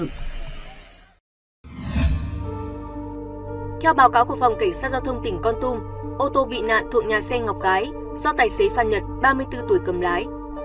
theo báo cáo của phòng cảnh sát giao thông tỉnh con tum ô tô bị nạn thuộc nhà xe ngọc gái do tài xế phan nhật ba mươi bốn tuổi cầm lái